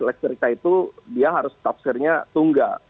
lex stricta itu dia harus tafsirnya tunggal